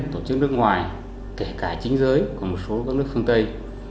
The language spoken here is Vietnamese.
tổ chức nước ngoài kể cả chính giới của một số các nước phương tây